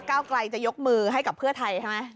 เก้าไกลจะยกมือให้กับเพื่อไทยใช่ไหม